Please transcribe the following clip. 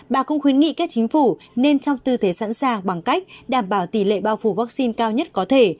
bà cũng khuyến nghị các chính phủ nên trong tư thế sẵn sàng bằng cách đảm bảo tỷ lệ bao phủ vaccine cao nhất có thể